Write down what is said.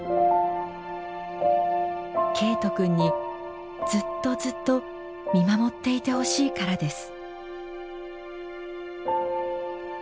「けいと君にずっとずっと見守っていてほしいからです」。